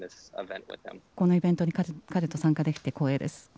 このイベントに彼と参加できて光栄です。